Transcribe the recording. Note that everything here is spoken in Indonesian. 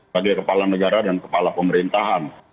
bagi kepala negara dan kepala pemerintahan